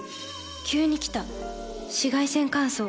急に来た紫外線乾燥。